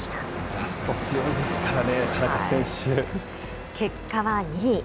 ラスト強いですからね、結果は２位。